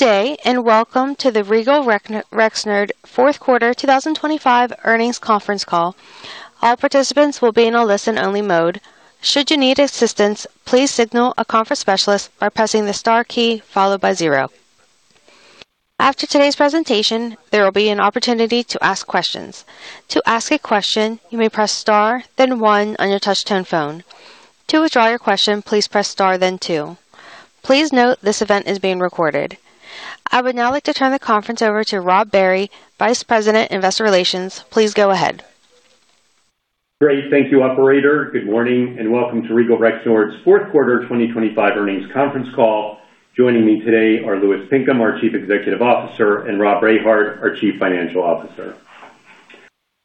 Good day, and welcome to the Regal Rexnord Fourth Quarter 2025 Earnings Conference Call. All participants will be in a listen-only mode. Should you need assistance, please signal a conference specialist by pressing the star key followed by zero. After today's presentation, there will be an opportunity to ask questions. To ask a question, you may press star, then one on your touchtone phone. To withdraw your question, please press star, then two. Please note, this event is being recorded. I would now like to turn the conference over to Rob Barry, Vice President, Investor Relations. Please go ahead. Great. Thank you, operator. Good morning, and welcome to Regal Rexnord's Fourth Quarter 2025 Earnings Conference Call. Joining me today are Louis Pinkham, our Chief Executive Officer, and Rob Rehard, our Chief Financial Officer.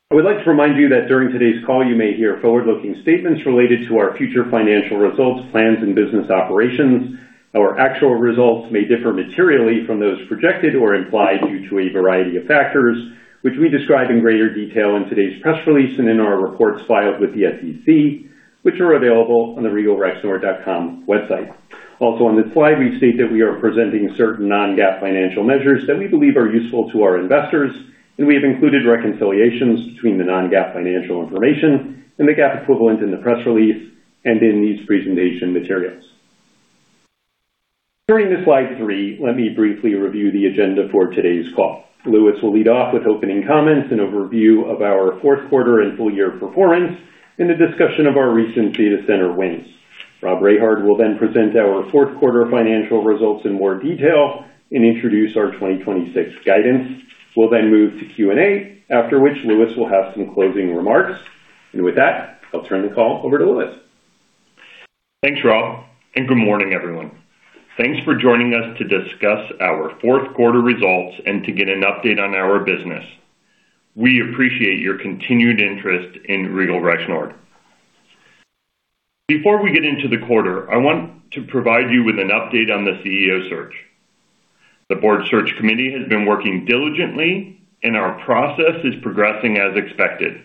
I would like to remind you that during today's call, you may hear forward-looking statements related to our future financial results, plans, and business operations. Our actual results may differ materially from those projected or implied due to a variety of factors, which we describe in greater detail in today's press release and in our reports filed with the SEC, which are available on the regalrexnord.com website. Also, on this slide, we state that we are presenting certain non-GAAP financial measures that we believe are useful to our investors, and we have included reconciliations between the non-GAAP financial information and the GAAP equivalent in the press release and in these presentation materials. Turning to slide three, let me briefly review the agenda for today's call. Louis will lead off with opening comments and overview of our fourth quarter and full year performance, and a discussion of our recent data center wins. Rob Rehard will then present our fourth quarter financial results in more detail and introduce our 2026 guidance. We'll then move to Q&A, after which Louis will have some closing remarks. With that, I'll turn the call over to Louis. Thanks, Rob, and good morning, everyone. Thanks for joining us to discuss our fourth quarter results and to get an update on our business. We appreciate your continued interest in Regal Rexnord. Before we get into the quarter, I want to provide you with an update on the CEO search. The board search committee has been working diligently, and our process is progressing as expected.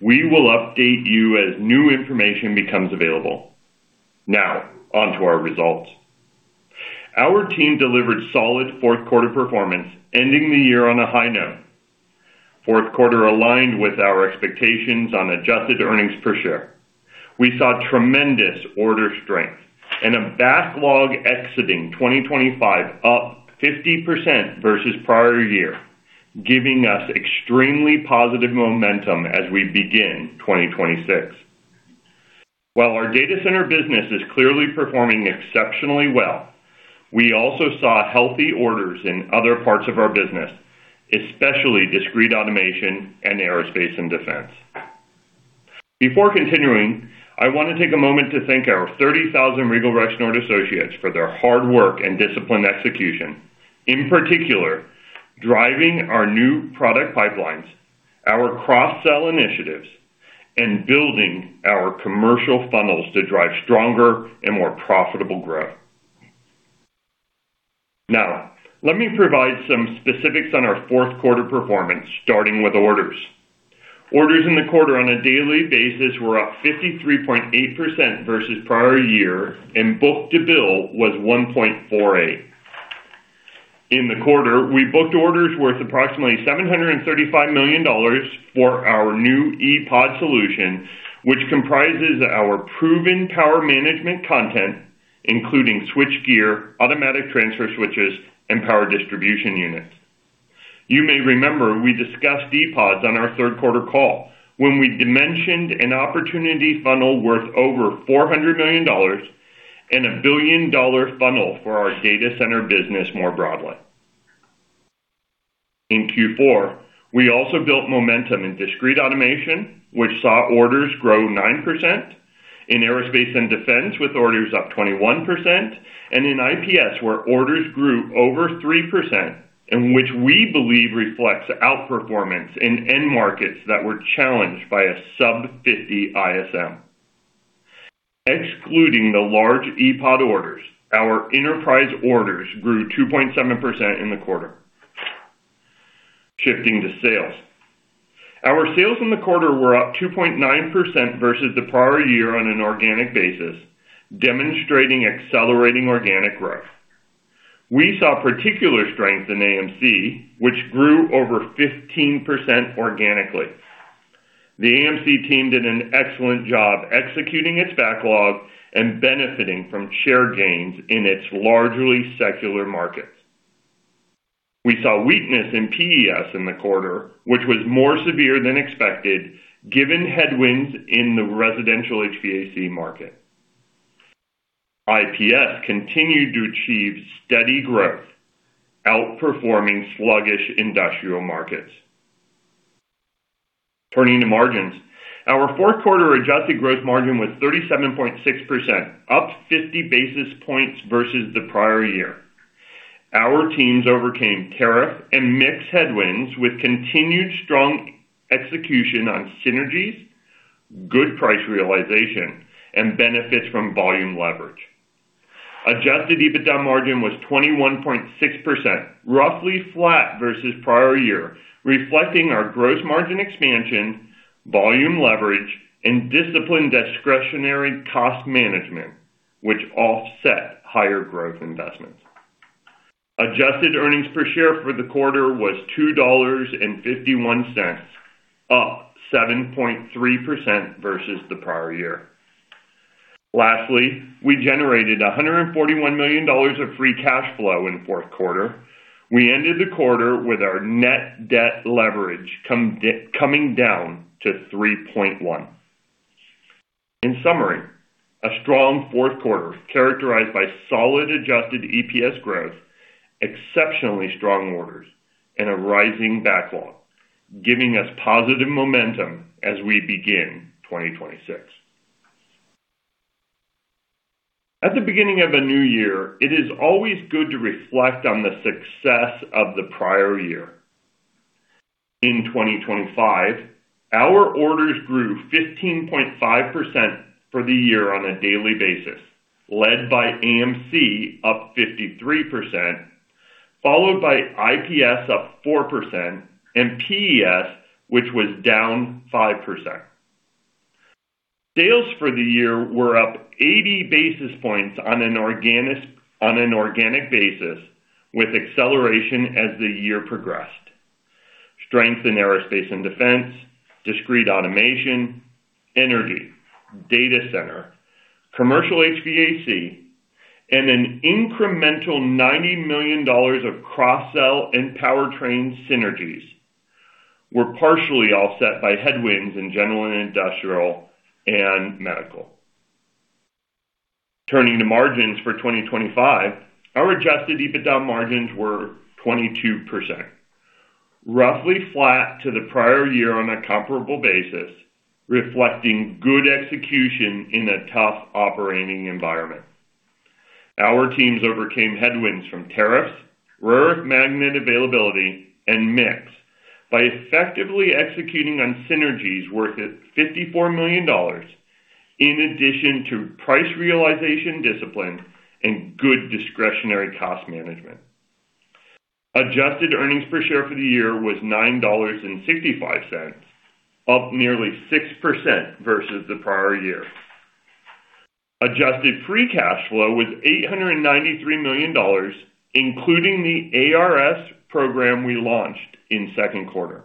We will update you as new information becomes available. Now, on to our results. Our team delivered solid fourth quarter performance, ending the year on a high note. Fourth quarter aligned with our expectations on adjusted earnings per share. We saw tremendous order strength and a backlog exiting 2025, up 50% versus prior year, giving us extremely positive momentum as we begin 2026. While our data center business is clearly performing exceptionally well, we also saw healthy orders in other parts of our business, especially discrete automation and aerospace and defense. Before continuing, I want to take a moment to thank our 30,000 Regal Rexnord associates for their hard work and disciplined execution, in particular, driving our new product pipelines, our cross-sell initiatives, and building our commercial funnels to drive stronger and more profitable growth. Now, let me provide some specifics on our fourth quarter performance, starting with orders. Orders in the quarter on a daily basis were up 53.8% versus prior year, and book-to-bill was 1.48. In the quarter, we booked orders worth approximately $735 million for our new E-Pod solution, which comprises our proven power management content, including switchgear, automatic transfer switches, and power distribution units. You may remember we discussed E-Pods on our third quarter call, when we dimensioned an opportunity funnel worth over $400 million and a billion-dollar funnel for our data center business more broadly. In Q4, we also built momentum in discrete automation, which saw orders grow 9%, in aerospace and defense, with orders up 21%, and in IPS, where orders grew over 3%, and which we believe reflects outperformance in end markets that were challenged by a sub-50 ISM. Excluding the large E-Pod orders, our enterprise orders grew 2.7% in the quarter. Shifting to sales. Our sales in the quarter were up 2.9% versus the prior year on an organic basis, demonstrating accelerating organic growth. We saw particular strength in AMC, which grew over 15% organically. The AMC team did an excellent job executing its backlog and benefiting from share gains in its largely secular markets. We saw weakness in PES in the quarter, which was more severe than expected, given headwinds in the residential HVAC market. IPS continued to achieve steady growth, outperforming sluggish industrial markets. Turning to margins. Our fourth quarter adjusted gross margin was 37.6%, up 50 basis points versus the prior year. Our teams overcame tariff and mixed headwinds with continued strong execution on synergies, good price realization, and benefits from volume leverage. Adjusted EBITDA margin was 21.6%, roughly flat versus prior year, reflecting our gross margin expansion, volume leverage, and disciplined discretionary cost management, which offset higher growth investments. Adjusted earnings per share for the quarter was $2.51, up 7.3% versus the prior year. Lastly, we generated $141 million of free cash flow in the fourth quarter. We ended the quarter with our net debt leverage coming down to 3.1. In summary, a strong fourth quarter, characterized by solid adjusted EPS growth, exceptionally strong orders, and a rising backlog, giving us positive momentum as we begin 2026. At the beginning of a new year, it is always good to reflect on the success of the prior year. In 2025, our orders grew 15.5% for the year on a daily basis, led by AMC, up 53%, followed by IPS, up 4%, and PES, which was down 5%. Sales for the year were up 80 basis points on an organic basis, with acceleration as the year progressed. Strength in aerospace and defense, discrete automation, energy, data center, commercial HVAC, and an incremental $90 million of cross-sell and powertrain synergies were partially offset by headwinds in general and industrial and medical. Turning to margins for 2025, our adjusted EBITDA margins were 22%, roughly flat to the prior year on a comparable basis, reflecting good execution in a tough operating environment. Our teams overcame headwinds from tariffs, rare earth magnet availability, and mix by effectively executing on synergies worth $54 million, in addition to price realization discipline and good discretionary cost management. Adjusted earnings per share for the year was $9.65, up nearly 6% versus the prior year. Adjusted free cash flow was $893 million, including the ARS program we launched in second quarter.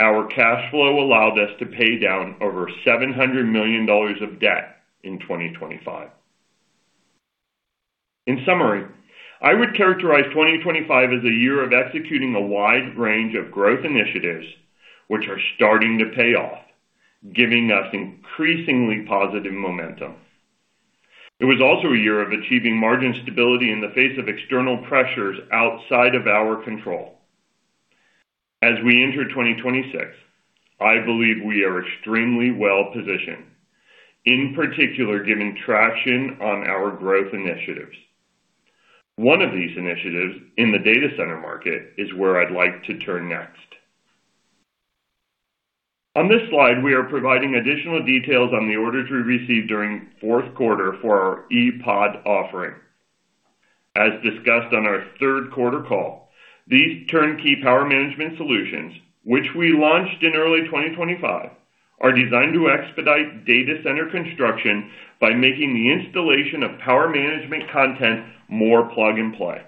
Our cash flow allowed us to pay down over $700 million of debt in 2025. In summary, I would characterize 2025 as a year of executing a wide range of growth initiatives, which are starting to pay off, giving us increasingly positive momentum. It was also a year of achieving margin stability in the face of external pressures outside of our control. As we enter 2026, I believe we are extremely well-positioned, in particular, giving traction on our growth initiatives. One of these initiatives in the data center market is where I'd like to turn next. On this slide, we are providing additional details on the orders we received during fourth quarter for our E-Pod offering. As discussed on our third quarter call, these turnkey power management solutions, which we launched in early 2025, are designed to expedite data center construction by making the installation of power management content more plug and play.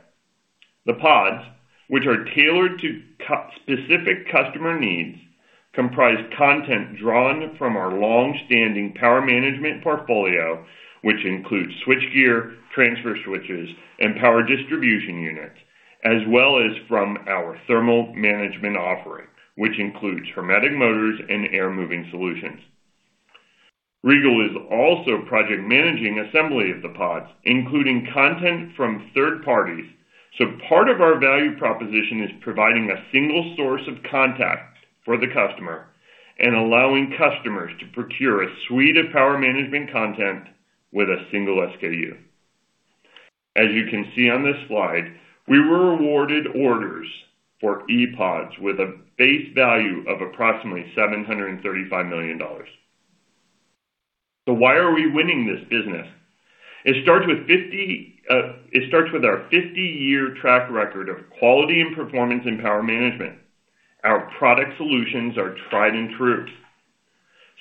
The pods, which are tailored to customer-specific customer needs, comprise content drawn from our long-standing power management portfolio, which includes switchgear, transfer switches, and power distribution units, as well as from our thermal management offering, which includes hermetic motors and air-moving solutions. Regal is also project managing assembly of the pods, including content from third parties. So part of our value proposition is providing a single source of contact for the customer and allowing customers to procure a suite of power management content with a single SKU. As you can see on this slide, we were awarded orders for E-Pods with a base value of approximately $735 million. So why are we winning this business? It starts with our 50-year track record of quality and performance in power management. Our product solutions are tried and true.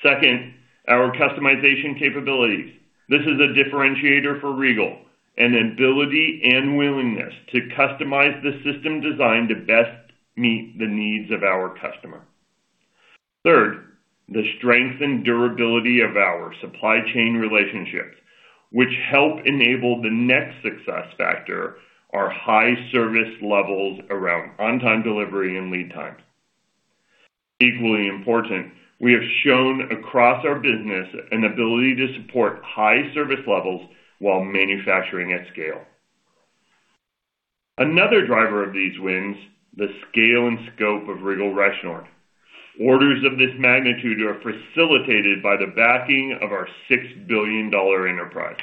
Second, our customization capabilities. This is a differentiator for Regal, an ability and willingness to customize the system designed to best meet the needs of our customer. Third, the strength and durability of our supply chain relationships, which help enable the next success factor, our high service levels around on-time delivery and lead times. Equally important, we have shown across our business an ability to support high service levels while manufacturing at scale. Another driver of these wins, the scale and scope of Regal Rexnord. Orders of this magnitude are facilitated by the backing of our $6 billion enterprise.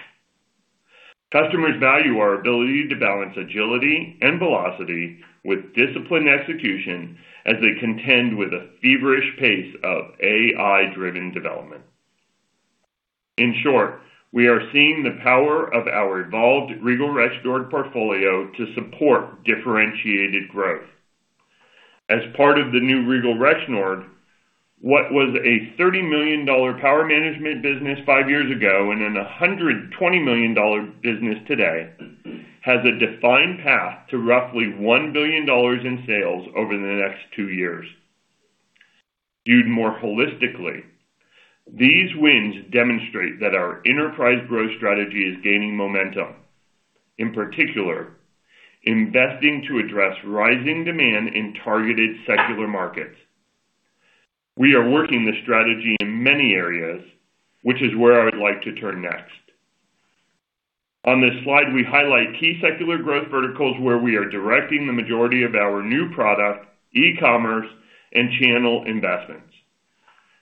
Customers value our ability to balance agility and velocity with disciplined execution as they contend with a feverish pace of AI-driven development. In short, we are seeing the power of our evolved Regal Rexnord portfolio to support differentiated growth. As part of the new Regal Rexnord, what was a $30 million power management business 5 years ago, and then a $120 million business today, has a defined path to roughly $1 billion in sales over the next two years. Viewed more holistically, these wins demonstrate that our enterprise growth strategy is gaining momentum, in particular, investing to address rising demand in targeted secular markets. We are working this strategy in many areas, which is where I would like to turn next. On this slide, we highlight key secular growth verticals where we are directing the majority of our new product, e-commerce, and channel investments.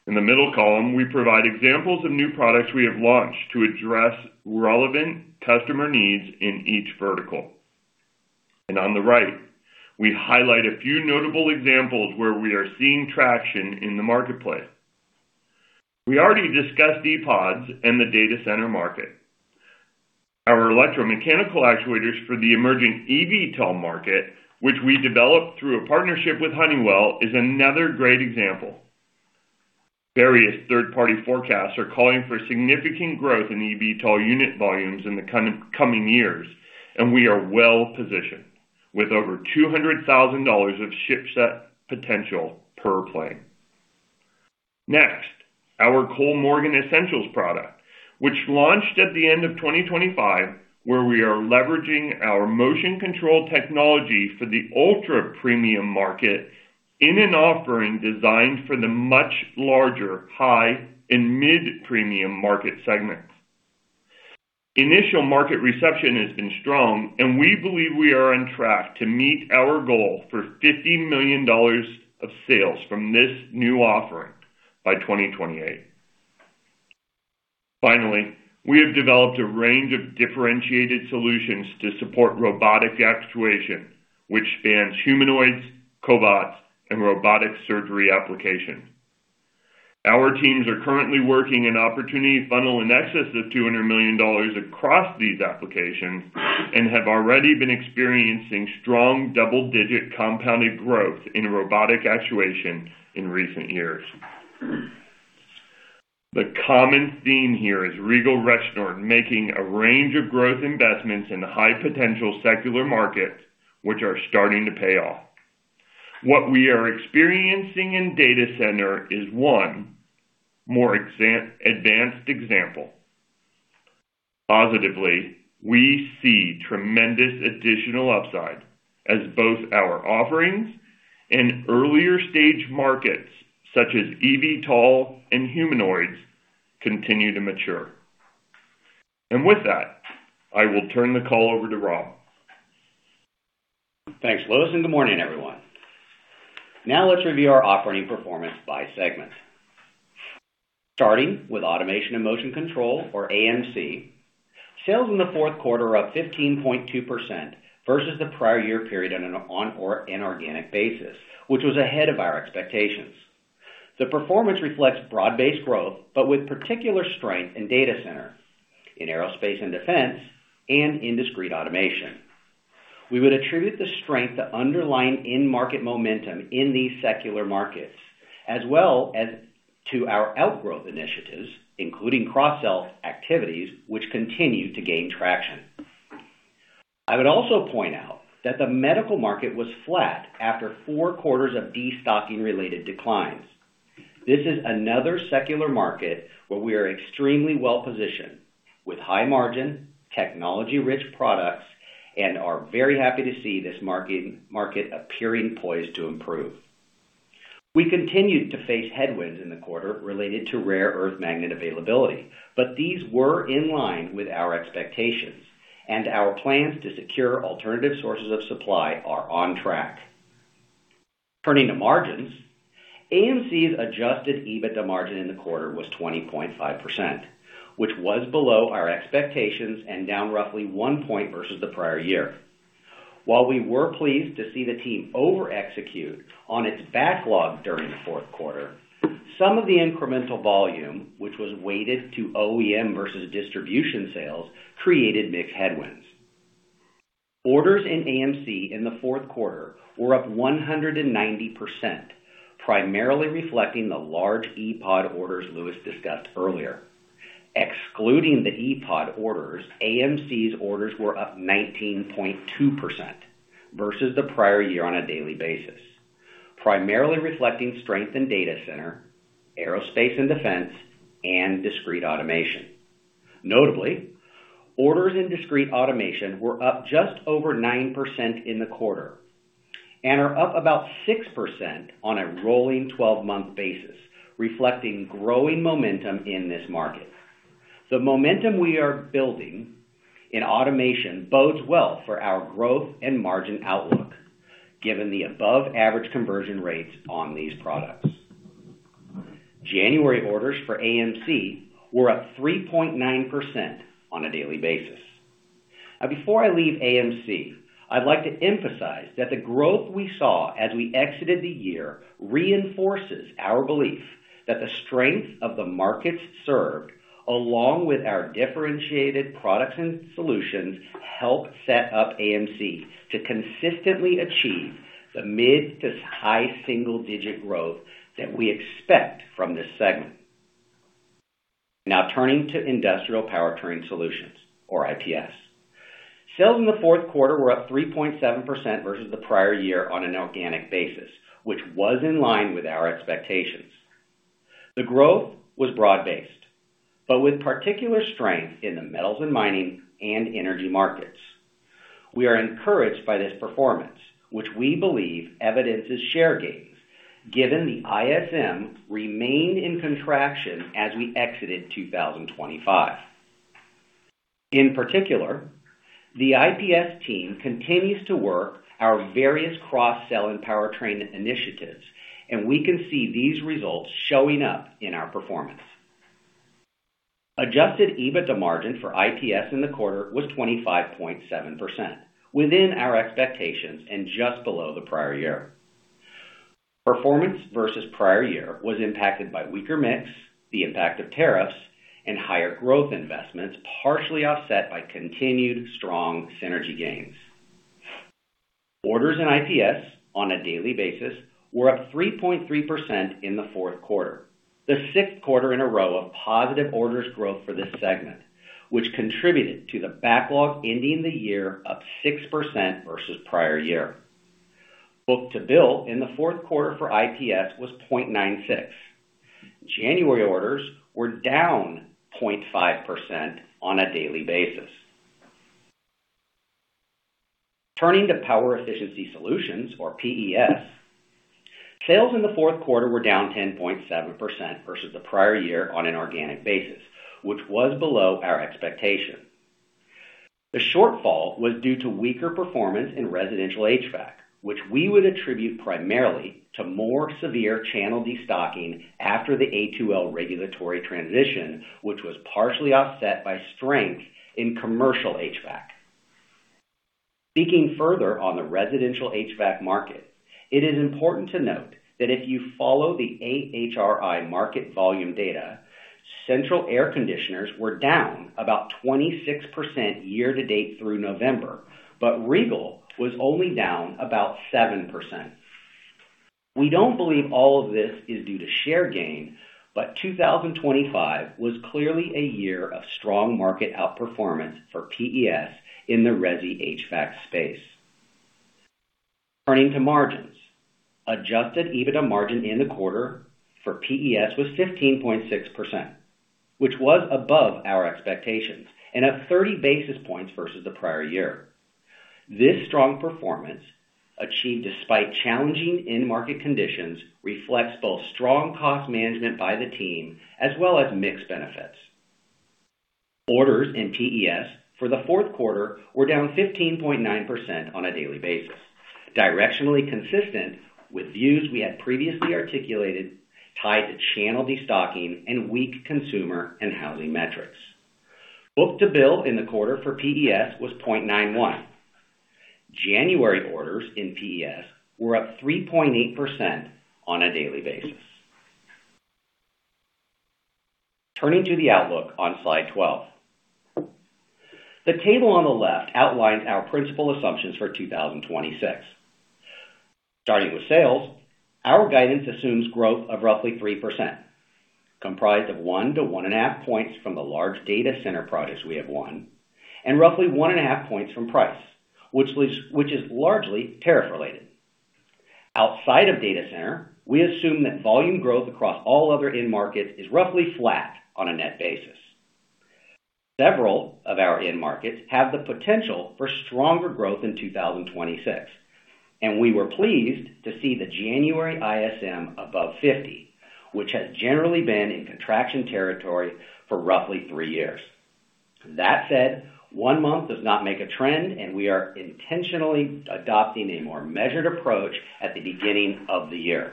In the middle column, we provide examples of new products we have launched to address relevant customer needs in each vertical. On the right, we highlight a few notable examples where we are seeing traction in the marketplace. We already discussed E-Pods and the data center market. Our electromechanical actuators for the emerging eVTOL market, which we developed through a partnership with Honeywell, is another great example. Various third-party forecasts are calling for significant growth in eVTOL unit volumes in the coming years, and we are well positioned, with over $200,000 of shipset potential per plane. Next, our Kollmorgen Essentials product, which launched at the end of 2025, where we are leveraging our motion control technology for the ultra-premium market in an offering designed for the much larger, high, and mid-premium market segments. Initial market reception has been strong, and we believe we are on track to meet our goal for $50 million of sales from this new offering by 2028. Finally, we have developed a range of differentiated solutions to support robotic actuation, which spans humanoids, cobots, and robotic surgery application. Our teams are currently working an opportunity funnel in excess of $200 million across these applications, and have already been experiencing strong double-digit compounded growth in robotic actuation in recent years. The common theme here is Regal Rexnord making a range of growth investments in high-potential secular markets, which are starting to pay off. What we are experiencing in data center is one more advanced example. Positively, we see tremendous additional upside as both our offerings in earlier stage markets, such as eVTOL and humanoids, continue to mature. With that, I will turn the call over to Rob. Thanks, Louis, and good morning, everyone. Now let's review our operating performance by segment. Starting with Automation and Motion Control, or AMC, sales in the fourth quarter were up 15.2% versus the prior year period on an organic basis, which was ahead of our expectations. The performance reflects broad-based growth, but with particular strength in data center, in aerospace and defense, and in discrete automation. We would attribute the strength to underlying end market momentum in these secular markets, as well as to our outgrowth initiatives, including cross-sell activities, which continue to gain traction. I would also point out that the medical market was flat after four quarters of destocking-related declines. This is another secular market where we are extremely well positioned, with high margin, technology-rich products, and are very happy to see this market appearing poised to improve. We continued to face headwinds in the quarter related to rare earth magnet availability, but these were in line with our expectations, and our plans to secure alternative sources of supply are on track. Turning to margins, AMC's adjusted EBITDA margin in the quarter was 20.5%, which was below our expectations and down roughly one point versus the prior year. While we were pleased to see the team over-execute on its backlog during the fourth quarter, some of the incremental volume, which was weighted to OEM versus distribution sales, created mixed headwinds. Orders in AMC in the fourth quarter were up 190%, primarily reflecting the large E-Pod orders Louis discussed earlier. Excluding the E-Pod orders, AMC's orders were up 19.2% versus the prior year on a daily basis, primarily reflecting strength in data center, aerospace and defense, and discrete automation. Notably, orders in discrete automation were up just over 9% in the quarter and are up about 6% on a rolling 12-month basis, reflecting growing momentum in this market. The momentum we are building in automation bodes well for our growth and margin outlook, given the above average conversion rates on these products. January orders for AMC were up 3.9% on a daily basis. And before I leave AMC, I'd like to emphasize that the growth we saw as we exited the year reinforces our belief that the strength of the markets served, along with our differentiated products and solutions, help set up AMC to consistently achieve the mid to high single-digit growth that we expect from this segment. Now turning to Industrial Powertrain Solutions, or IPS. Sales in the fourth quarter were up 3.7% versus the prior year on an organic basis, which was in line with our expectations. The growth was broad-based, but with particular strength in the metals and mining and energy markets. We are encouraged by this performance, which we believe evidences share gains, given the ISM remained in contraction as we exited 2025. In particular, the IPS team continues to work our various cross-sell and powertrain initiatives, and we can see these results showing up in our performance. Adjusted EBITDA margin for IPS in the quarter was 25.7%, within our expectations and just below the prior year. Performance versus prior year was impacted by weaker mix, the impact of tariffs, and higher growth investments, partially offset by continued strong synergy gains. Orders in IPS on a daily basis were up 3.3% in the fourth quarter, the sixth quarter in a row of positive orders growth for this segment, which contributed to the backlog ending the year up 6% versus prior year. Book-to-bill in the fourth quarter for IPS was 0.96. January orders were down 0.5% on a daily basis. Turning to Power Efficiency Solutions, or PES, sales in the fourth quarter were down 10.7% versus the prior year on an organic basis, which was below our expectation. The shortfall was due to weaker performance in residential HVAC, which we would attribute primarily to more severe channel destocking after the A2L regulatory transition, which was partially offset by strength in commercial HVAC. Speaking further on the residential HVAC market, it is important to note that if you follow the AHRI market volume data, central air conditioners were down about 26% year-to-date through November, but Regal was only down about 7%. We don't believe all of this is due to share gain, but 2025 was clearly a year of strong market outperformance for PES in the resi HVAC space. Turning to margins. Adjusted EBITDA margin in the quarter for PES was 15.6%, which was above our expectations and up 30 basis points versus the prior year. This strong performance, achieved despite challenging end market conditions, reflects both strong cost management by the team as well as mix benefits. Orders in PES for the fourth quarter were down 15.9% on a daily basis, directionally consistent with views we had previously articulated, tied to channel destocking and weak consumer and housing metrics. Book-to-bill in the quarter for PES was 0.91. January orders in PES were up 3.8% on a daily basis. Turning to the outlook on slide 12. The table on the left outlines our principal assumptions for 2026. Starting with sales, our guidance assumes growth of roughly 3%, comprised of 1-1.5 points from the large data center projects we have won, and roughly 1.5 points from price, which is largely tariff related. Outside of data center, we assume that volume growth across all other end markets is roughly flat on a net basis. Several of our end markets have the potential for stronger growth in 2026, and we were pleased to see the January ISM above 50, which has generally been in contraction territory for roughly three years. That said, one month does not make a trend, and we are intentionally adopting a more measured approach at the beginning of the year.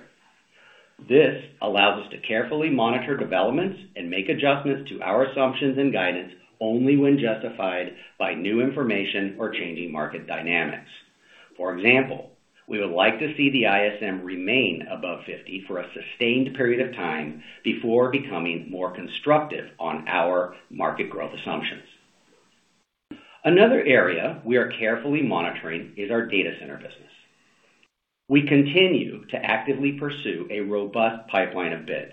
This allows us to carefully monitor developments and make adjustments to our assumptions and guidance only when justified by new information or changing market dynamics. For example, we would like to see the ISM remain above 50 for a sustained period of time before becoming more constructive on our market growth assumptions. Another area we are carefully monitoring is our data center business. We continue to actively pursue a robust pipeline of bids,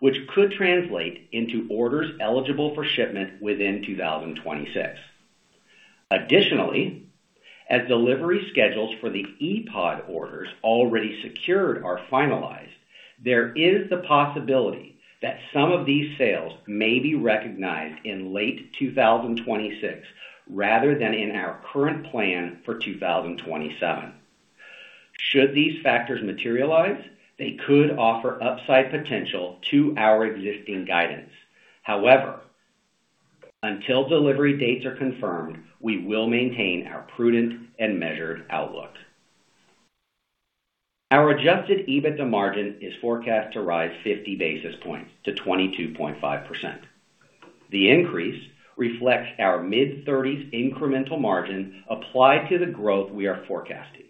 which could translate into orders eligible for shipment within 2026. Additionally, as delivery schedules for the E-Pod orders already secured are finalized, there is the possibility that some of these sales may be recognized in late 2026, rather than in our current plan for 2027. Should these factors materialize, they could offer upside potential to our existing guidance. However, until delivery dates are confirmed, we will maintain our prudent and measured outlook. Our adjusted EBITDA margin is forecast to rise 50 basis points to 22.5%. The increase reflects our mid-30s incremental margin applied to the growth we are forecasting.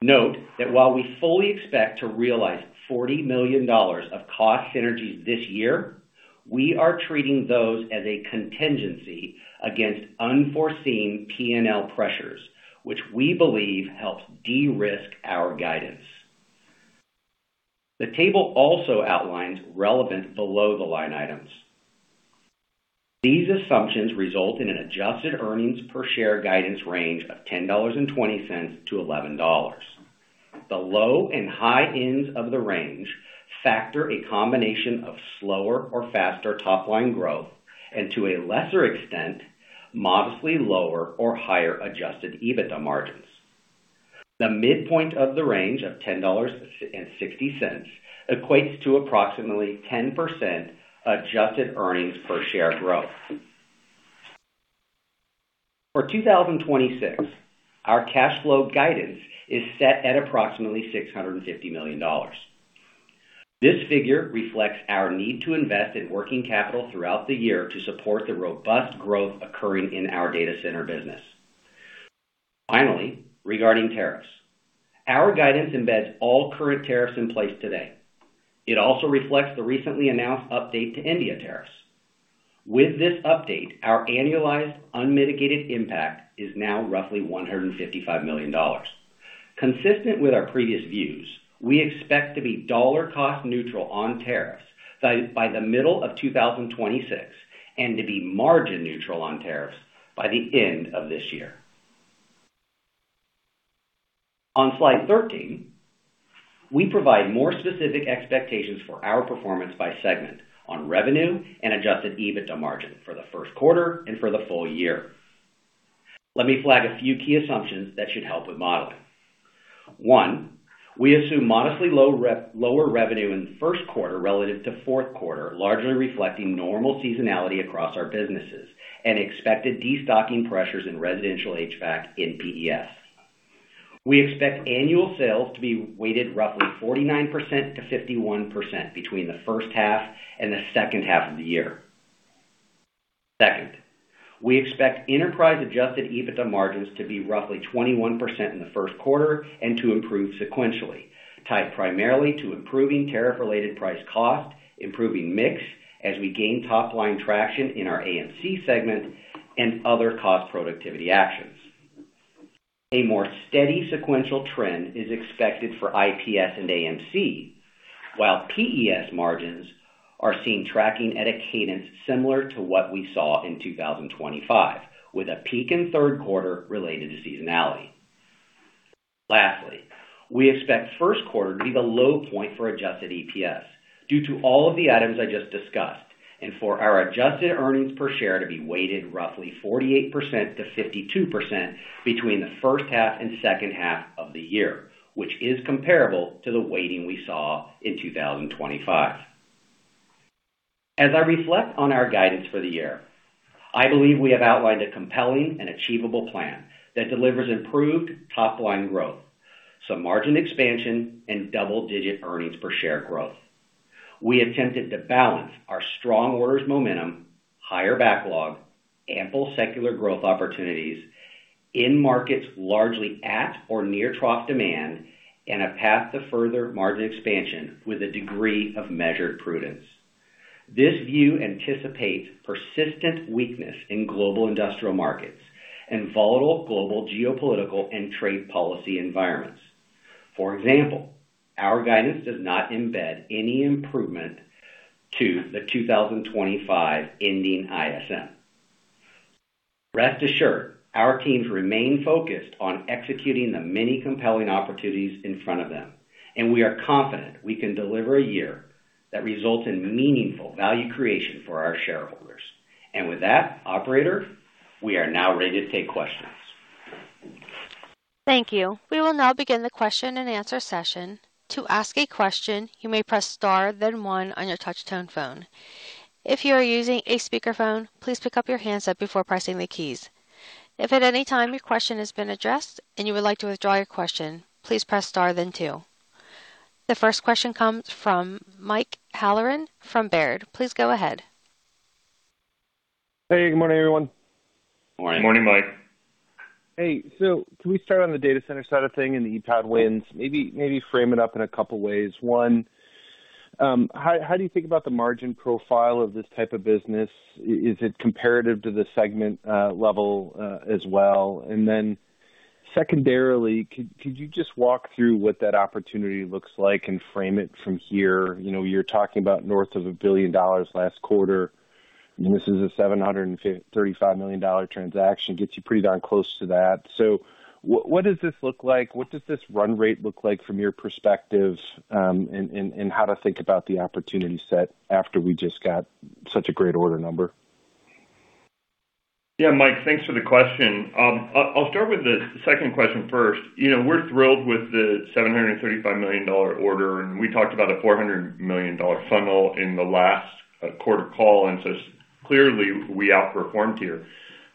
Note that while we fully expect to realize $40 million of cost synergies this year, we are treating those as a contingency against unforeseen P&L pressures, which we believe helps de-risk our guidance. The table also outlines relevant below-the-line items. These assumptions result in an adjusted earnings per share guidance range of $10.20-$11. The low and high ends of the range factor a combination of slower or faster top line growth, and to a lesser extent, modestly lower or higher adjusted EBITDA margins. The midpoint of the range of $10.60 equates to approximately 10% adjusted earnings per share growth. For 2026, our cash flow guidance is set at approximately $650 million. This figure reflects our need to invest in working capital throughout the year to support the robust growth occurring in our data center business. Finally, regarding tariffs. Our guidance embeds all current tariffs in place today. It also reflects the recently announced update to India tariffs. With this update, our annualized unmitigated impact is now roughly $155 million. Consistent with our previous views, we expect to be dollar cost neutral on tariffs by the middle of 2026, and to be margin neutral on tariffs by the end of this year. On slide 13, we provide more specific expectations for our performance by segment on revenue and adjusted EBITDA margin for the first quarter and for the full year. Let me flag a few key assumptions that should help with modeling. One, we assume modestly lower revenue in the first quarter relative to fourth quarter, largely reflecting normal seasonality across our businesses and expected destocking pressures in residential HVAC in PES. We expect annual sales to be weighted roughly 49%-51% between the first half and the second half of the year. Second, we expect enterprise-adjusted EBITDA margins to be roughly 21% in the first quarter and to improve sequentially, tied primarily to improving tariff-related price-cost, improving mix as we gain top line traction in our AMC segment, and other cost productivity actions. A more steady sequential trend is expected for IPS and AMC, while PES margins are seen tracking at a cadence similar to what we saw in 2025, with a peak in third quarter related to seasonality. Lastly, we expect first quarter to be the low point for adjusted EPS due to all of the items I just discussed, and for our adjusted earnings per share to be weighted roughly 48%-52% between the first half and second half of the year, which is comparable to the weighting we saw in 2025. As I reflect on our guidance for the year, I believe we have outlined a compelling and achievable plan that delivers improved top-line growth, some margin expansion, and double-digit earnings per share growth. We attempted to balance our strong orders momentum, higher backlog, ample secular growth opportunities in markets largely at or near trough demand, and a path to further margin expansion with a degree of measured prudence. This view anticipates persistent weakness in global industrial markets and volatile global geopolitical and trade policy environments. For example, our guidance does not embed any improvement to the 2025 ending ISM. Rest assured, our teams remain focused on executing the many compelling opportunities in front of them, and we are confident we can deliver a year that results in meaningful value creation for our shareholders. With that, operator, we are now ready to take questions. Thank you. We will now begin the question-and-answer session. To ask a question, you may press star, then one on your touchtone phone. If you are using a speakerphone, please pick up your handset before pressing the keys. If at any time your question has been addressed and you would like to withdraw your question, please press star then two. The first question comes from Mike Halloran from Baird. Please go ahead. Hey, good morning, everyone. Good morning, Mike. Hey, so can we start on the data center side of things and the E-Pod wins? Maybe frame it up in a couple of ways. One, how do you think about the margin profile of this type of business? Is it comparative to the segment level as well? And then secondarily, could you just walk through what that opportunity looks like and frame it from here? You know, you're talking about north of $1 billion last quarter, and this is a $735 million transaction. Gets you pretty darn close to that. So what does this look like? What does this run rate look like from your perspective, and how to think about the opportunity set after we just got such a great order number? Yeah, Mike, thanks for the question. I'll start with the second question first. You know, we're thrilled with the $735 million order, and we talked about a $400 million funnel in the last quarter call, and so clearly, we outperformed here.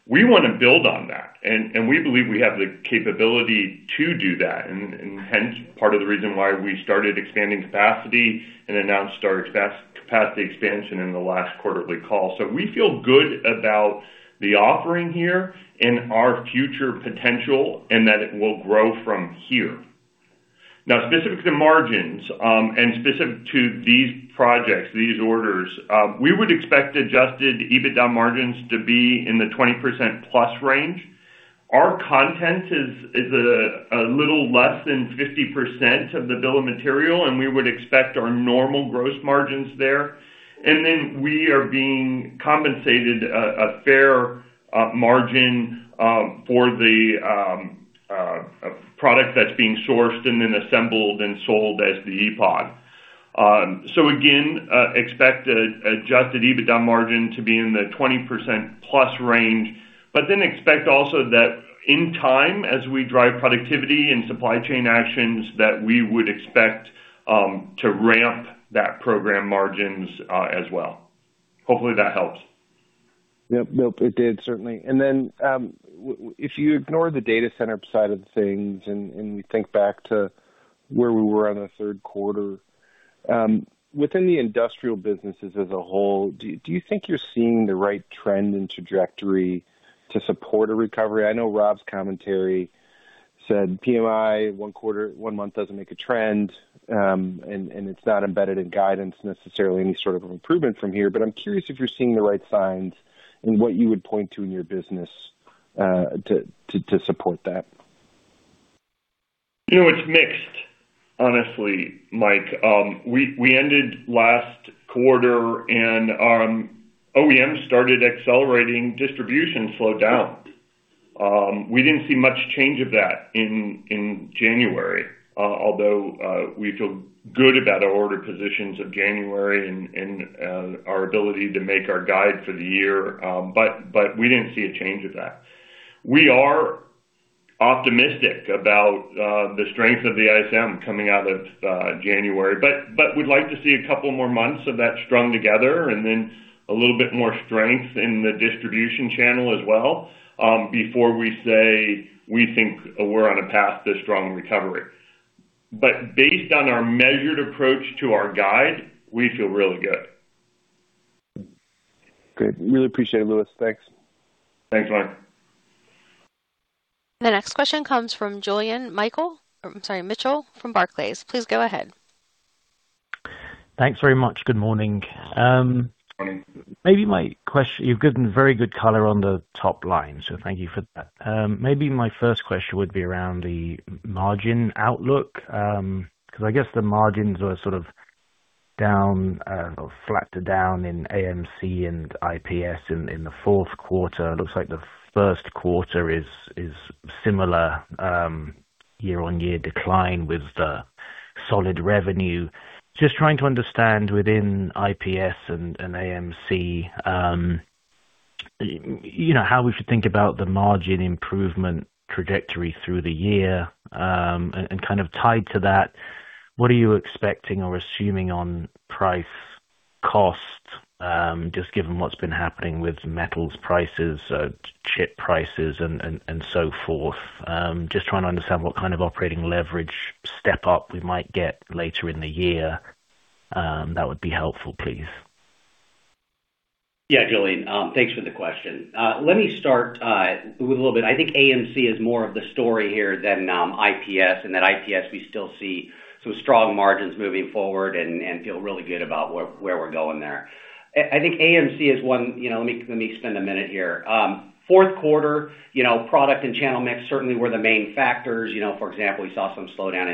We wanna build on that, and we believe we have the capability to do that, and hence, part of the reason why we started expanding capacity and announced our capacity expansion in the last quarterly call. So we feel good about the offering here and our future potential and that it will grow from here. Now, specific to margins, and specific to these projects, these orders, we would expect adjusted EBITDA margins to be in the 20%+ range. Our content is a little less than 50% of the bill of material, and we would expect our normal gross margins there. And then we are being compensated a fair margin for the product that's being sourced and then assembled and sold as the E-Pod. So again, expect an adjusted EBITDA margin to be in the 20%+ range, but then expect also that in time, as we drive productivity and supply chain actions, that we would expect to ramp that program margins as well. Hopefully, that helps. Yep, yep, it did, certainly. And then, if you ignore the data center side of things and you think back to where we were on the third quarter, within the industrial businesses as a whole, do you think you're seeing the right trend and trajectory to support a recovery? I know Rob's commentary said PMI, one quarter-one month doesn't make a trend, and it's not embedded in guidance, necessarily any sort of improvement from here. But I'm curious if you're seeing the right signs and what you would point to in your business, to support that. You know, it's mixed, honestly, Mike. We ended last quarter and OEM started accelerating, distribution slowed down. We didn't see much change of that in January, although we feel good about our order positions of January and our ability to make our guide for the year, but we didn't see a change of that. We are optimistic about the strength of the ISM coming out of January, but we'd like to see a couple more months of that strung together and then a little bit more strength in the distribution channel as well, before we say, we think we're on a path to strong recovery. But based on our measured approach to our guide, we feel really good. Great. Really appreciate it, Louis. Thanks. Thanks, Mike. The next question comes from Julian Mitchell from Barclays. Please go ahead. Thanks very much. Good morning. Good morning. Maybe you've given very good color on the top line, so thank you for that. Maybe my first question would be around the margin outlook, because I guess the margins are sort of down, or flat to down in AMC and IPS in the fourth quarter. It looks like the first quarter is similar, year-on-year decline with the solid revenue. Just trying to understand within IPS and AMC, you know, how we should think about the margin improvement trajectory through the year. And kind of tied to that, what are you expecting or assuming on price cost, just given what's been happening with metals prices, chip prices, and so forth? Just trying to understand what kind of operating leverage step up we might get later in the year. That would be helpful, please. Yeah, Julian, thanks for the question. Let me start with a little bit. I think AMC is more of the story here than IPS, and that IPS, we still see some strong margins moving forward and feel really good about where we're going there. I think AMC is one, you know, let me spend a minute here. Fourth quarter, you know, product and channel mix certainly were the main factors. You know, for example, we saw some slowdown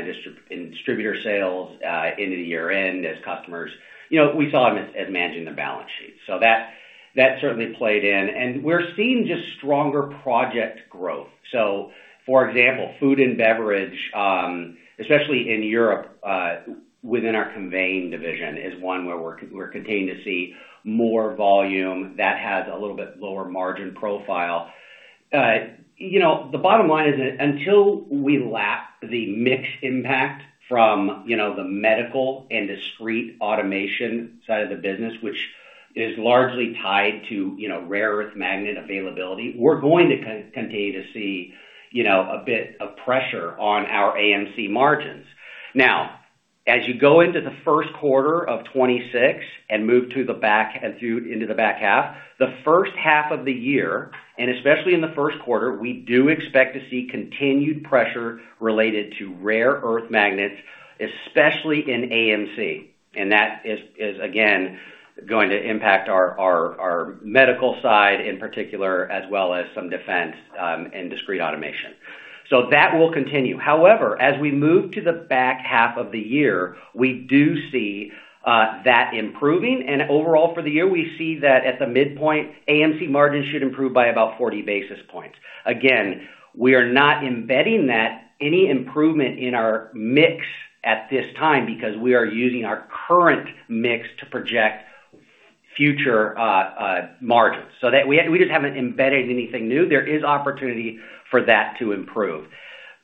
in distributor sales into the year-end as customers. You know, we saw them as managing the balance sheet. So that certainly played in. And we're seeing just stronger project growth. So, for example, food and beverage, especially in Europe, within our conveying division, is one where we're, we're continuing to see more volume that has a little bit lower margin profile. You know, the bottom line is that until we lap the mix impact from, you know, the medical and discrete automation side of the business, which is largely tied to, you know, rare earth magnet availability, we're going to continue to see, you know, a bit of pressure on our AMC margins. Now, as you go into the first quarter of 2026 and move to the back and through into the back half, the first half of the year, and especially in the first quarter, we do expect to see continued pressure related to rare earth magnets, especially in AMC, and that is again going to impact our medical side, in particular, as well as some defense and discrete automation. So that will continue. However, as we move to the back half of the year, we do see that improving, and overall for the year, we see that at the midpoint, AMC margins should improve by about 40 basis points. Again, we are not embedding that any improvement in our mix at this time because we are using our current mix to project future margins. So that we just haven't embedded anything new. There is opportunity for that to improve.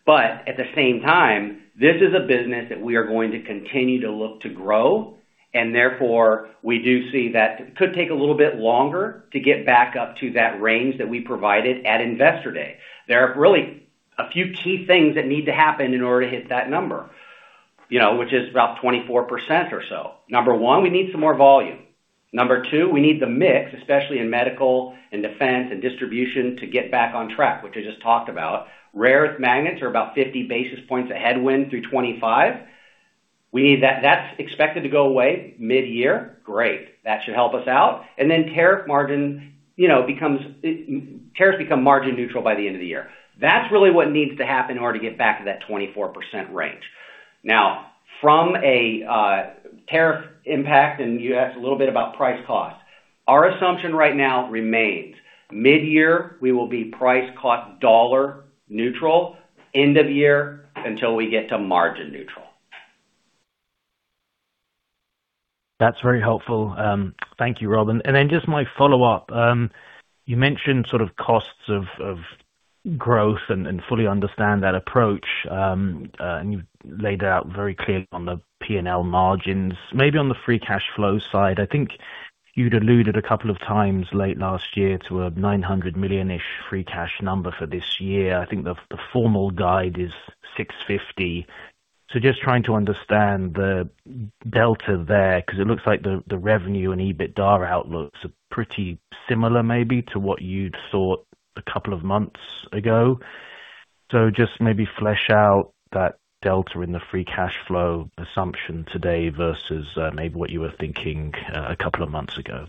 But at the same time, this is a business that we are going to continue to look to grow, and therefore, we do see that it could take a little bit longer to get back up to that range that we provided at Investor Day. There are really a few key things that need to happen in order to hit that number, you know, which is about 24% or so. Number one, we need some more volume. Number two, we need the mix, especially in medical, and defense, and distribution, to get back on track, which I just talked about. Rare earth magnets are about 50 basis points of headwind through 2025. We need that. That's expected to go away mid-year. Great! That should help us out. Then tariff margin, you know, becomes, tariffs become margin neutral by the end of the year. That's really what needs to happen in order to get back to that 24% range. Now, from a tariff impact, and you asked a little bit about price cost. Our assumption right now remains, mid-year, we will be price cost dollar neutral, end of year until we get to margin neutral. That's very helpful. Thank you, Rob. Then just my follow-up. You mentioned sort of costs of, of growth and, and fully understand that approach, and you've laid out very clearly on the P&L margins. Maybe on the free cash flow side, I think you'd alluded a couple of times late last year to a $900 million-ish free cash number for this year. I think the formal guide is $650 million. So just trying to understand the delta there, because it looks like the revenue and EBITDA outlooks are pretty similar, maybe, to what you'd thought a couple of months ago. So just maybe flesh out that delta in the free cash flow assumption today versus, maybe what you were thinking, a couple of months ago.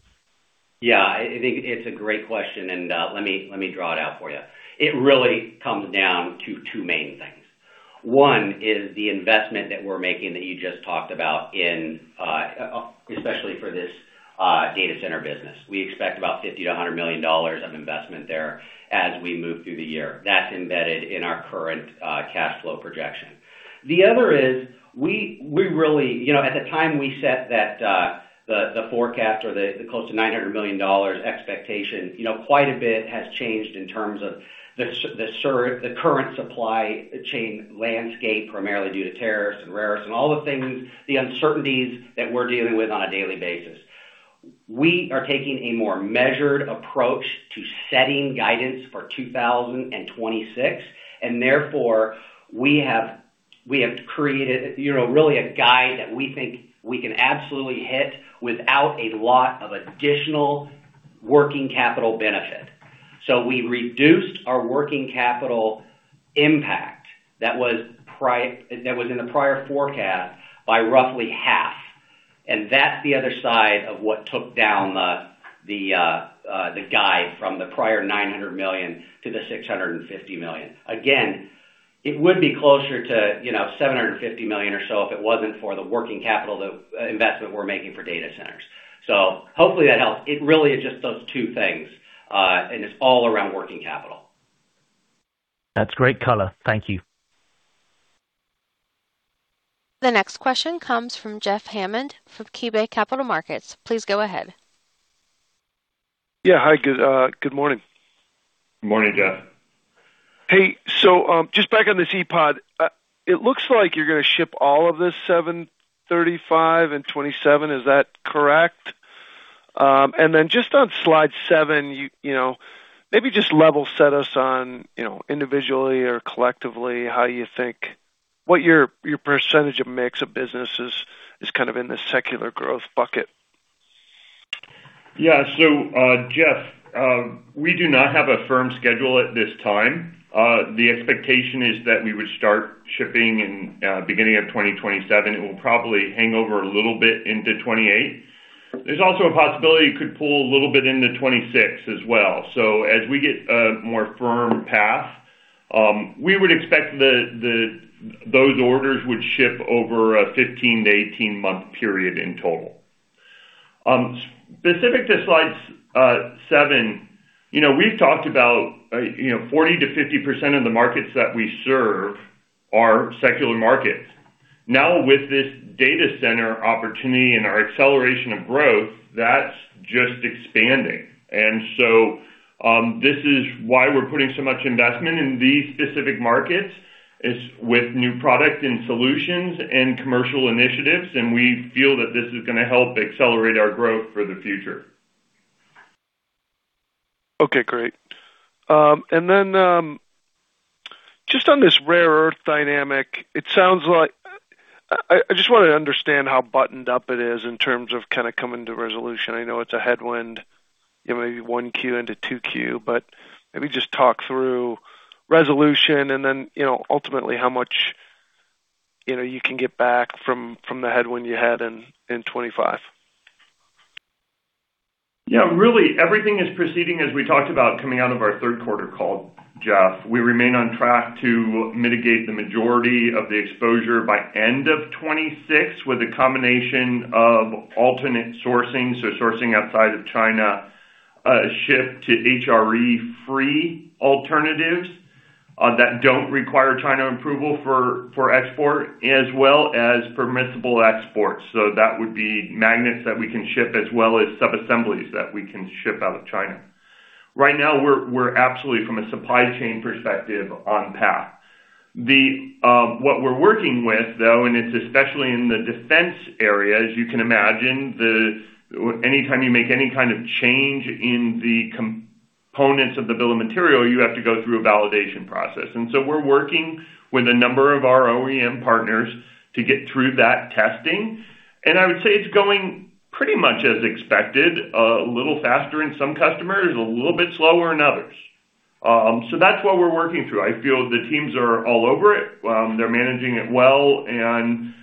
Yeah, I think it's a great question, and, let me- let me draw it out for you. It really comes down to two main things. One is the investment that we're making that you just talked about in, especially for this, data center business. We expect about $50 million-$100 million of investment there as we move through the year. That's embedded in our current, cash flow projection. The other is, we really... You know, at the time we set that, the, the forecast or the close to $900 million expectation, you know, quite a bit has changed in terms of the current supply chain landscape, primarily due to tariffs and rare earths and all the things, the uncertainties that we're dealing with on a daily basis. We are taking a more measured approach to setting guidance for 2026, and therefore, we have, we have created, you know, really a guide that we think we can absolutely hit without a lot of additional working capital benefit. So we reduced our working capital impact that was in the prior forecast by roughly half, and that's the other side of what took down the guide from the prior $900 million to the $650 million. Again, it would be closer to, you know, $750 million or so if it wasn't for the working capital, the investment we're making for data centers. So hopefully that helps. It really is just those two things, and it's all around working capital. That's great color. Thank you. The next question comes from Jeff Hammond, from KeyBanc Capital Markets. Please go ahead. Yeah, hi. Good, good morning. Good morning, Jeff. Hey, so, just back on this E-Pod, it looks like you're gonna ship all of this 735 and 27, is that correct? And then just on slide seven, you know, maybe just level set us on, you know, individually or collectively, how you think, what your percentage of mix of businesses is kind of in the secular growth bucket? Yeah. So, Jeff, we do not have a firm schedule at this time. The expectation is that we would start shipping in, beginning of 2027. It will probably hang over a little bit into 2028. There's also a possibility it could pull a little bit into 2026 as well. So as we get a more firm path, we would expect the those orders would ship over a 15-18-month period in total. Specific to slides seven, you know, we've talked about, you know, 40%-50% of the markets that we serve are secular markets. Now, with this data center opportunity and our acceleration of growth, that's just expanding. This is why we're putting so much investment in these specific markets, is with new product and solutions and commercial initiatives, and we feel that this is gonna help accelerate our growth for the future. Okay, great. And then, just on this rare earth dynamic, it sounds like, I just wanted to understand how buttoned up it is in terms of kinda coming to resolution. I know it's a headwind, you know, maybe 1Q into 2Q, but maybe just talk through resolution and then, you know, ultimately, how much, you know, you can get back from, from the headwind you had in, in 2025. Yeah, really, everything is proceeding as we talked about coming out of our third quarter call, Jeff. We remain on track to mitigate the majority of the exposure by end of 2026, with a combination of alternate sourcing, so sourcing outside of China, shift to HRE-free alternatives that don't require China approval for export, as well as permissible exports. So that would be magnets that we can ship, as well as subassemblies that we can ship out of China. Right now, we're absolutely, from a supply chain perspective, on path. The, what we're working with, though, and it's especially in the defense area, as you can imagine, anytime you make any kind of change in the components of the bill of material, you have to go through a validation process. And so we're working with a number of our OEM partners to get through that testing. And I would say it's going pretty much as expected, a little faster in some customers, a little bit slower in others. So that's what we're working through. I feel the teams are all over it, they're managing it well, and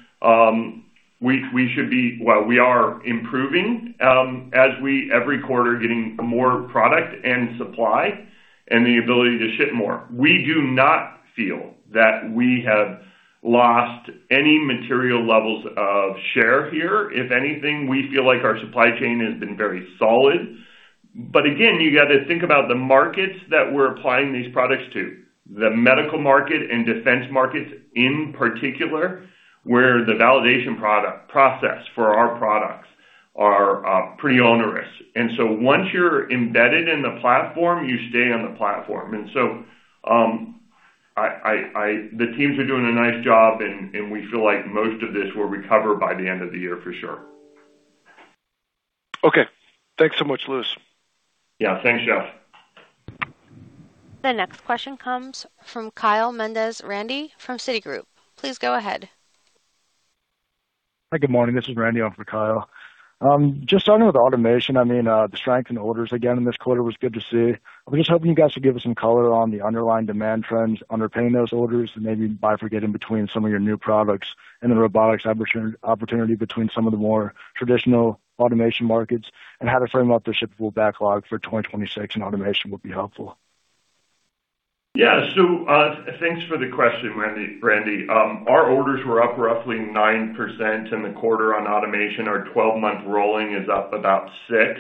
we should be. Well, we are improving, as we every quarter are getting more product and supply and the ability to ship more. We do not feel that we have lost any material levels of share here. If anything, we feel like our supply chain has been very solid. But again, you got to think about the markets that we're applying these products to. The medical market and defense markets, in particular, where the validation process for our products are pretty onerous. And so once you're embedded in the platform, you stay on the platform. And so, the teams are doing a nice job, and, and we feel like most of this will recover by the end of the year, for sure. Okay. Thanks so much, Louis. Yeah, thanks, Jeff. The next question comes from Kyle Menges, Randy from Citigroup. Please go ahead. Hi, good morning. This is Randy, on for Kyle. Just starting with automation, I mean, the strength in orders again in this quarter was good to see. I was just hoping you guys would give us some color on the underlying demand trends underpinning those orders, and maybe bifurcating between some of your new products and the robotics opportunity between some of the more traditional automation markets, and how to frame up the shippable backlog for 2026 in automation would be helpful. Yeah. So, thanks for the question, Randy, Randy. Our orders were up roughly 9% in the quarter on automation. Our 12-month rolling is up about 6%.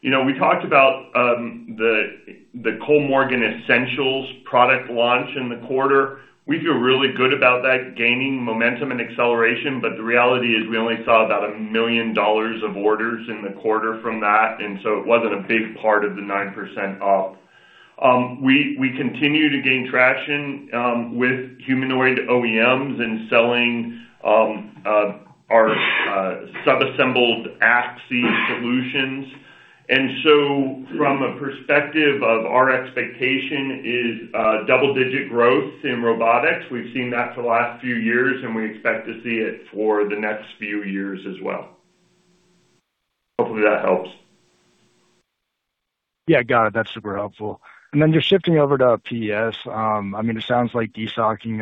You know, we talked about the Kollmorgen Essentials product launch in the quarter. We feel really good about that gaining momentum and acceleration, but the reality is we only saw about $1 million of orders in the quarter from that, and so it wasn't a big part of the 9% up. We continue to gain traction with humanoid OEMs and selling our subassembled axis solutions. And so from a perspective of our expectation is double-digit growth in robotics. We've seen that for the last few years, and we expect to see it for the next few years as well. Hopefully, that helps. Yeah, got it. That's super helpful. And then just shifting over to PES. I mean, it sounds like destocking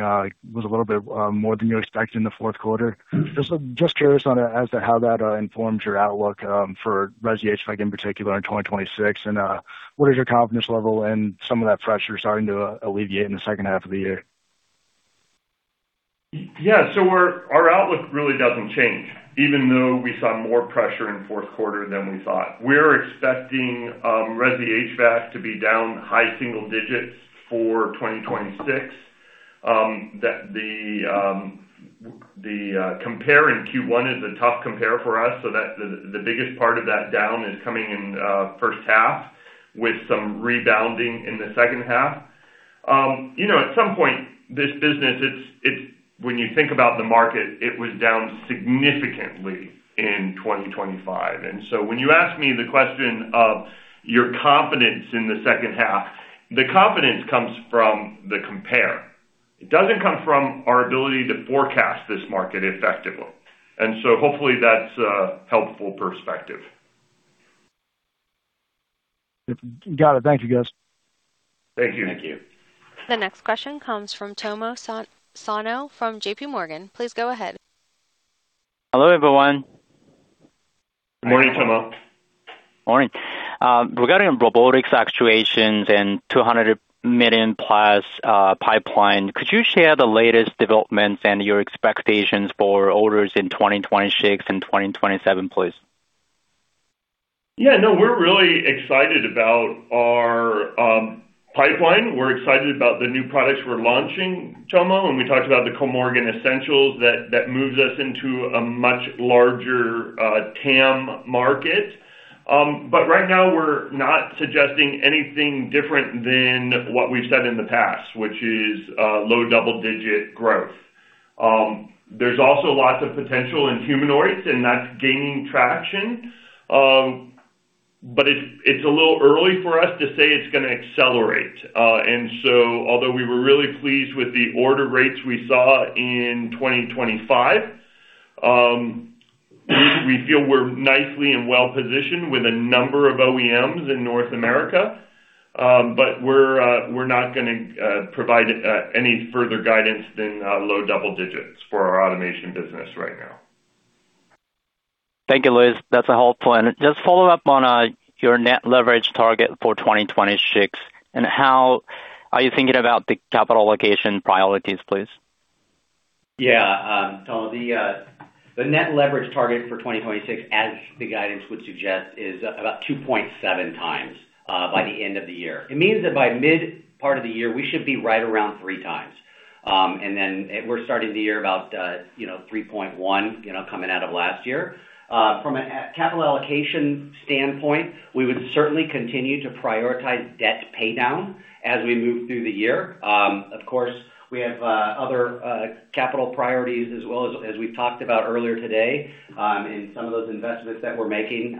was a little bit more than you expected in the fourth quarter. Just curious as to how that informs your outlook for resi HVAC, in particular, in 2026, and what is your confidence level and some of that pressure starting to alleviate in the second half of the year? Yeah. So our outlook really doesn't change, even though we saw more pressure in fourth quarter than we thought. We're expecting resi HVAC to be down high single-digits for 2026. That the compare in Q1 is a tough compare for us, so that the biggest part of that down is coming in first half, with some rebounding in the second half. You know, at some point, this business when you think about the market, it was down significantly in 2025. And so when you ask me the question of your confidence in the second half, the confidence comes from the compare. It doesn't come from our ability to forecast this market effectively, and so hopefully that's a helpful perspective. Got it. Thank you, guys. Thank you. Thank you. The next question comes from Tomo Sano from J.P. Morgan. Please go ahead. Hello, everyone. Good morning, Tomo. Morning. Regarding robotic actuators and $200 million+ pipeline, could you share the latest developments and your expectations for orders in 2026 and 2027, please? Yeah, no, we're really excited about our pipeline. We're excited about the new products we're launching, Tomo, and we talked about the Kollmorgen Essentials that moves us into a much larger TAM market. But right now, we're not suggesting anything different than what we've said in the past, which is low double-digit growth. There's also lots of potential in humanoids, and that's gaining traction, but it's a little early for us to say it's gonna accelerate. And so although we were really pleased with the order rates we saw in 2025, we feel we're nicely and well positioned with a number of OEMs in North America, but we're not gonna provide any further guidance than low double-digits for our automation business right now. Thank you, Louis. That's helpful. Just follow up on your net leverage target for 2026, and how are you thinking about the capital allocation priorities, please? Yeah, so the net leverage target for 2026, as the guidance would suggest, is about 2.7x by the end of the year. It means that by mid part of the year, we should be right around 3x. And then we're starting the year about, you know, 3.1x, you know, coming out of last year. From a capital allocation standpoint, we would certainly continue to prioritize debt paydown as we move through the year. Of course, we have other capital priorities as well, as we talked about earlier today, in some of those investments that we're making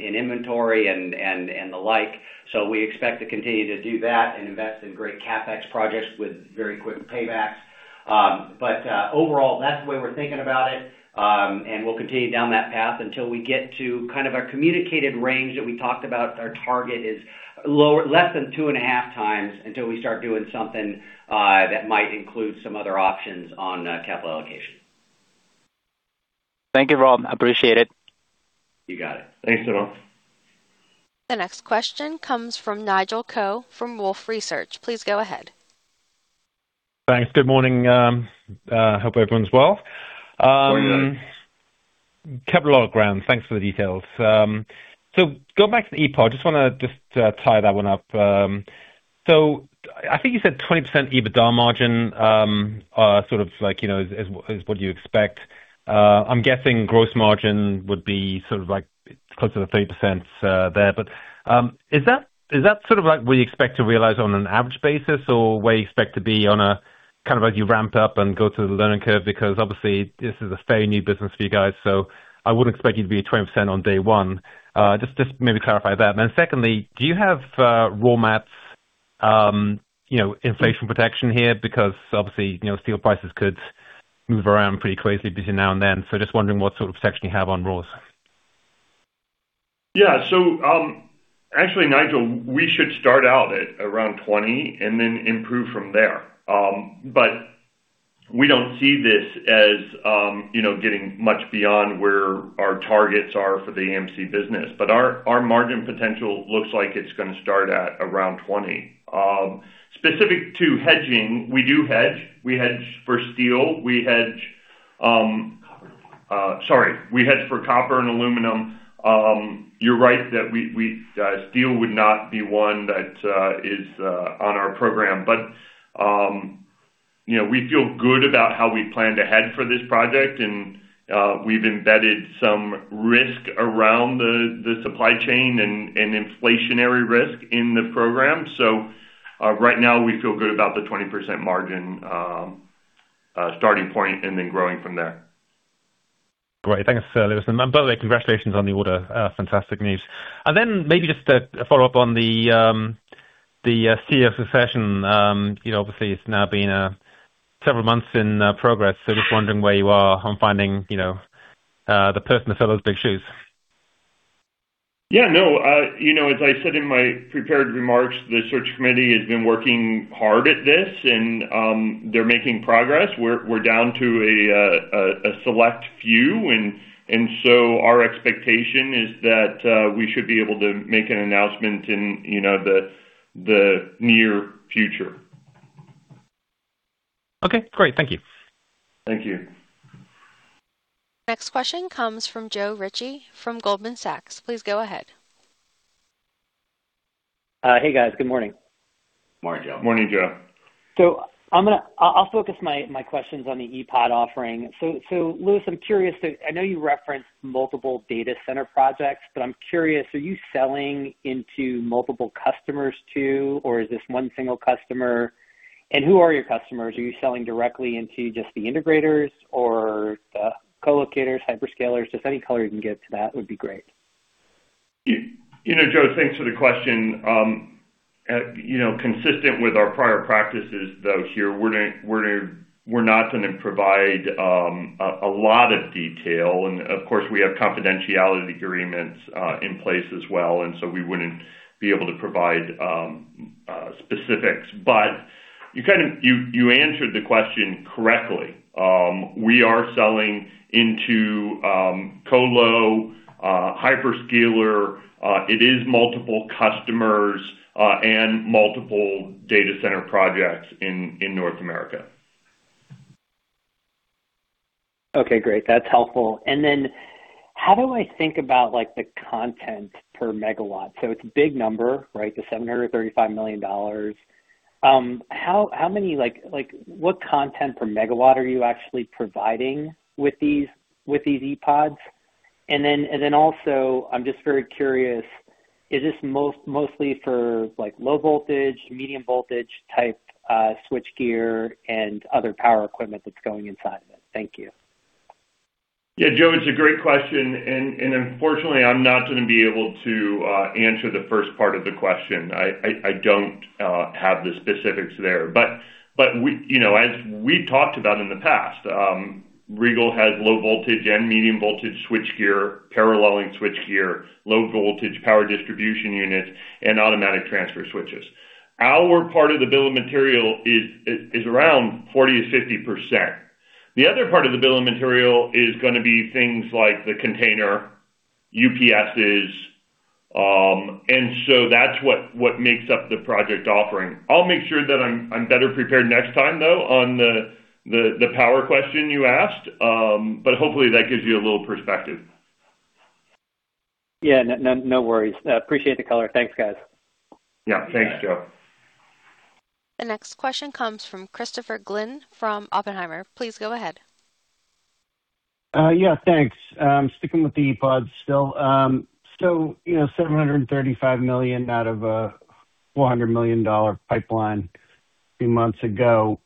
in inventory and the like. So we expect to continue to do that and invest in great CapEx projects with very quick paybacks. But overall, that's the way we're thinking about it. And we'll continue down that path until we get to kind of our communicated range that we talked about. Our target is lower, less than 2.5x until we start doing something that might include some other options on capital allocation. Thank you, Rob. I appreciate it. You got it. Thanks, Sunil. The next question comes from Nigel Coe from Wolfe Research. Please go ahead. Thanks. Good morning. Hope everyone's well. How are you doing? Covered a lot of ground. Thanks for the details. So going back to the E-Pod, just wanna just tie that one up. So I think you said 20% EBITDA margin are sort of like, you know, is, is what you expect. I'm guessing gross margin would be sort of like close to the 30%, there. But is that, is that sort of like what you expect to realize on an average basis, or where you expect to be on a kind of as you ramp up and go through the learning curve? Because obviously this is a fairly new business for you guys, so I wouldn't expect you to be at 20% on day one. Just maybe clarify that. And then secondly, do you have raw material, you know, inflation protection here? Because obviously, you know, steel prices could move around pretty closely between now and then. So just wondering what sort of protection you have on raws. Yeah. So, actually, Nigel, we should start out at around 20% and then improve from there. But we don't see this as, you know, getting much beyond where our targets are for the AMC business. But our, our margin potential looks like it's gonna start at around 20%. Specific to hedging, we do hedge. We hedge for steel, we hedge, sorry, we hedge for copper and aluminum. You're right that we, we-- steel would not be one that, is, on our program, but, you know, we feel good about how we planned ahead for this project, and, we've embedded some risk around the, the supply chain and, and inflationary risk in the program. So, right now we feel good about the 20% margin, starting point and then growing from there. Great. Thanks, Louis. And by the way, congratulations on the order. Fantastic news! And then maybe just a follow-up on the CEO succession. You know, obviously, it's now been several months in progress, so just wondering where you are on finding, you know, the person to fill those big shoes. Yeah, no, you know, as I said in my prepared remarks, the search committee has been working hard at this and, they're making progress. We're down to a select few, and so our expectation is that, we should be able to make an announcement in, you know, the near future. Okay, great. Thank you. Thank you. Next question comes from Joe Ritchie from Goldman Sachs. Please go ahead. Hey, guys. Good morning. Morning, Joe. Morning, Joe. So I'm gonna. I'll focus my questions on the E-Pod offering. So, Louis, I'm curious to. I know you referenced multiple data center projects, but I'm curious, are you selling into multiple customers too, or is this one single customer? And who are your customers? Are you selling directly into just the integrators or the co-locators, hyperscalers? Just any color you can give to that would be great. You know, Joe, thanks for the question. You know, consistent with our prior practices, though, here, we're not gonna provide a lot of detail. And of course, we have confidentiality agreements in place as well, and so we wouldn't be able to provide specifics. But you kind of answered the question correctly. We are selling into colo hyperscaler. It is multiple customers and multiple data center projects in North America. Okay, great. That's helpful. And then how do I think about, like, the content per megawatt? So it's a big number, right, the $735 million. How—like, what content per megawatt are you actually providing with these, with these E-Pods? And then also, I'm just very curious, is this mostly for like, low voltage, medium voltage type, switchgear and other power equipment that's going inside of it? Thank you. Yeah, Joe, it's a great question, and unfortunately, I'm not gonna be able to answer the first part of the question. I don't have the specifics there. But we, you know, as we've talked about in the past, Regal has low voltage and medium voltage switchgear, paralleling switchgear, low voltage power distribution units, and automatic transfer switches. Our part of the bill of material is around 40%-50%. The other part of the bill of material is gonna be things like the container, UPSs, and so that's what makes up the project offering. I'll make sure that I'm better prepared next time, though, on the power question you asked. But hopefully that gives you a little perspective. Yeah, no, no worries. I appreciate the color. Thanks, guys. Yeah. Thanks, Joe. The next question comes from Christopher Glynn from Oppenheimer. Please go ahead. Yeah, thanks. Sticking with the pods still. So, you know, $735 million out of a $400 million pipeline a few months ago.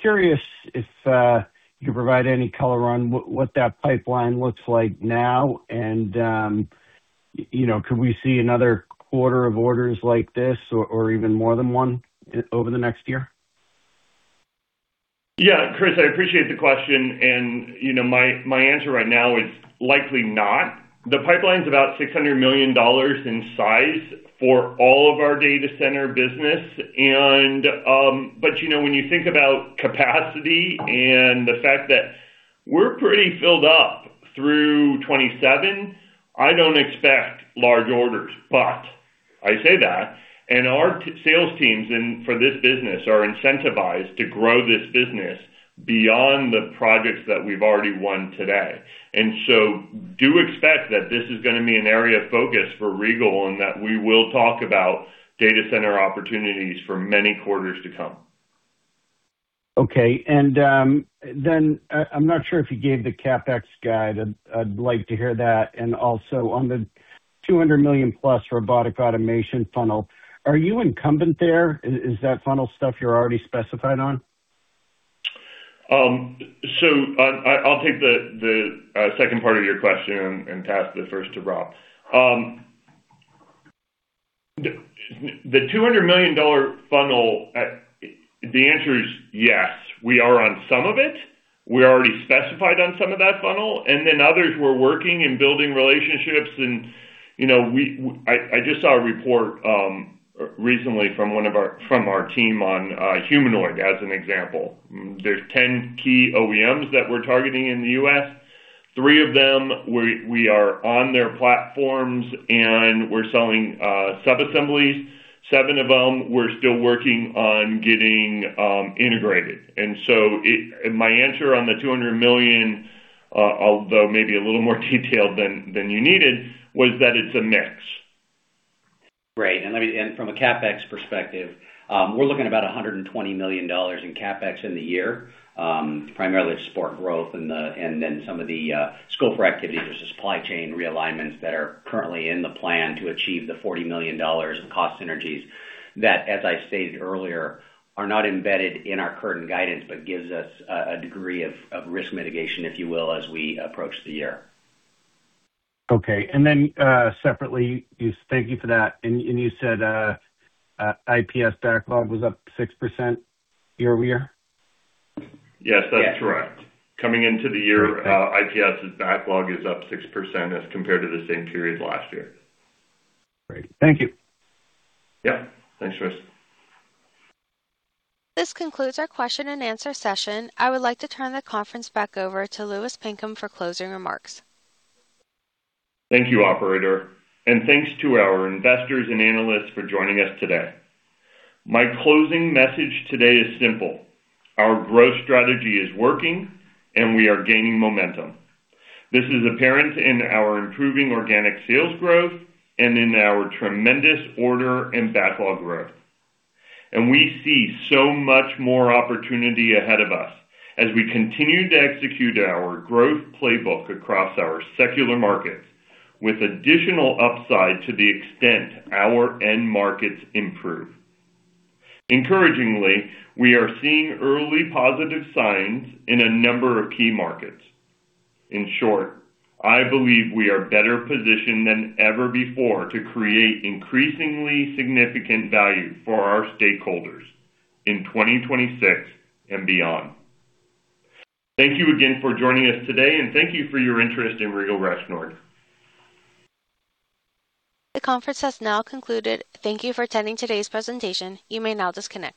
Curious if you could provide any color on what that pipeline looks like now. And, you know, could we see another quarter of orders like this or even more than one over the next year? Yeah, Chris, I appreciate the question, and, you know, my, my answer right now is likely not. The pipeline's about $600 million in size for all of our data center business. And, but, you know, when you think about capacity and the fact that we're pretty filled up through 2027, I don't expect large orders. But I say that, and our sales teams for this business are incentivized to grow this business beyond the projects that we've already won today. And so do expect that this is gonna be an area of focus for Regal and that we will talk about data center opportunities for many quarters to come. Okay. Then, I'm not sure if you gave the CapEx guide. I'd like to hear that. And also on the $200 million+ robotic automation funnel, are you incumbent there? Is that funnel stuff you're already specified on? I'll take the second part of your question and pass the first to Rob. The $200 million funnel, the answer is yes. We are on some of it. We're already specified on some of that funnel, and then others we're working and building relationships and, you know, I just saw a report recently from our team on humanoid, as an example. There's 10 key OEMs that we're targeting in the U.S. three of them, we are on their platforms, and we're selling subassemblies. Seven of them, we're still working on getting integrated. So it. My answer on the $200 million, although maybe a little more detailed than you needed, was that it's a mix. Great. And from a CapEx perspective, we're looking at about $120 million in CapEx in the year, primarily to support growth and then some of the scope for activities, the supply chain realignments that are currently in the plan to achieve the $40 million in cost synergies that, as I stated earlier, are not embedded in our current guidance, but gives us a degree of risk mitigation, if you will, as we approach the year. Okay. And then, separately, you. Thank you for that. And, and you said, IPS backlog was up 6% year-over-year? Yes, that's correct. Yes. Coming into the year, IPS's backlog is up 6% as compared to the same period last year. Great. Thank you. Yeah. Thanks, Chris. This concludes our question-and-answer session. I would like to turn the conference back over to Louis Pinkham for closing remarks. Thank you, operator, and thanks to our investors and analysts for joining us today. My closing message today is simple: Our growth strategy is working, and we are gaining momentum. This is apparent in our improving organic sales growth and in our tremendous order and backlog growth. And we see so much more opportunity ahead of us as we continue to execute our growth playbook across our secular markets, with additional upside to the extent our end markets improve. Encouragingly, we are seeing early positive signs in a number of key markets. In short, I believe we are better positioned than ever before to create increasingly significant value for our stakeholders in 2026 and beyond. Thank you again for joining us today, and thank you for your interest in Regal Rexnord. The conference has now concluded. Thank you for attending today's presentation. You may now disconnect.